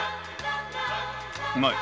うまい！